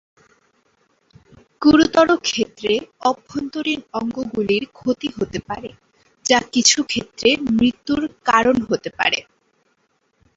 গুরুতর ক্ষেত্রে, অভ্যন্তরীণ অঙ্গগুলির ক্ষতি হতে পারে, যা কিছু ক্ষেত্রে মৃত্যুর কারণ হতে পারে।